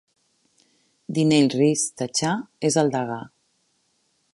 Deanell Reece Tacha és el degà.